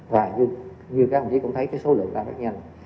và như các ông chí cũng thấy cái số lượng đang rất nhanh